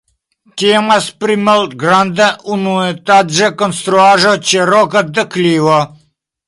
Temas pri malgranda, unuetaĝa konstruaĵo ĉe roka deklivo.